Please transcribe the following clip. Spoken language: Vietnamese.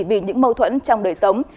và những mâu thuẫn trong đời sống